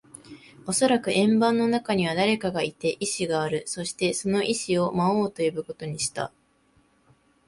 おそらく円盤の中には誰かがいて、意志がある。そして、その意思を魔王と呼ぶことにした。